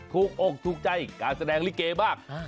ถูกอกถูกใจการแสดงริเกย์บ้าง